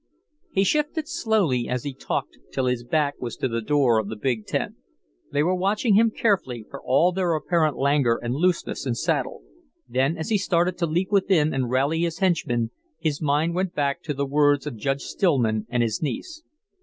He shifted slowly as he talked till his back was to the door of the big tent. They were watching him carefully, for all their apparent languor and looseness in saddle; then as he started to leap within and rally his henchmen, his mind went back to the words of Judge Stillman and his niece.